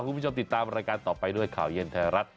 คุณผู้ชมติดตามรายการต่อไปด้วยข่าวเย็นไทยรัฐ